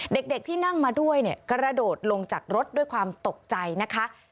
เด็กที่นั่งมาด้วยเนี่ยกระโดดลงจากรถด้วยความตกใจนะคะ